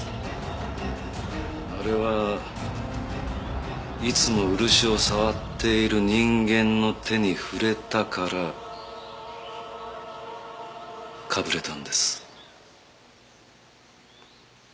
あれはいつも漆を触っている人間の手に触れたからかぶれたんです。